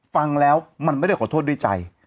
ฟังแล้วมันไม่ได้ขอโทษด้วยใจ